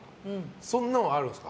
そんなのはあるんですか？